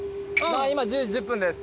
今１０時１０分です。